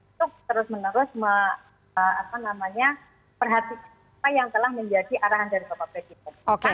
untuk terus menerus memperhatikan apa yang telah menjadi arahan dari bapak presiden